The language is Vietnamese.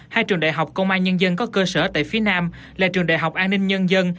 hai trường đại học công an nhân dân có cơ sở tại phía nam là trường đại học an ninh nhân dân